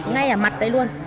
ngay ở mặt đấy luôn